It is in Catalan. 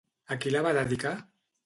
A qui la va dedicar?